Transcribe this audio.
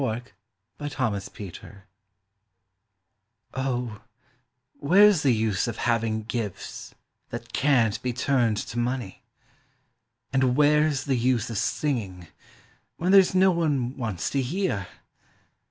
WHERE'S THE USE Oh, where's the use of having gifts that can't be turned to money? And where's the use of singing, when there's no one wants to hear?